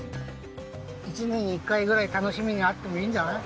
１年に１回ぐらい楽しみがあってもいいんじゃない。